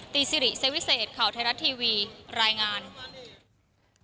ซิริเซวิเศษข่าวไทยรัฐทีวีรายงาน